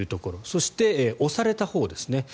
そして、推されたほうですね。